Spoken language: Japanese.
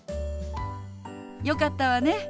よかったわね。